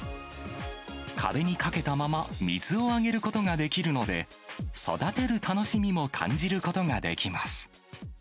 壁に掛けたまま水をあげることができるので、育てる楽しみも感じることができます。